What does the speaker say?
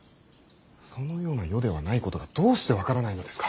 そのような世ではないことがどうして分からないのですか。